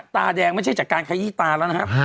ตาแดงไม่ใช่จากการขยี้ตาแล้วนะครับ